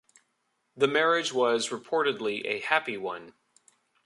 The marriage was reportedly a happy one.